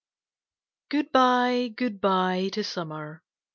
GOOD BYE, good bye to Summer!